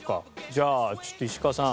じゃあちょっと石川さん